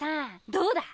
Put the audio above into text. どうだ！